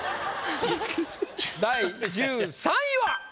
第１３位は！